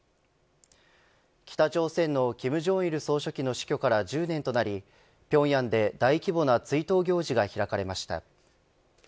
北朝鮮の金正日総書記の死去から１０年となり平壌で大規模な追悼行事が開かれました。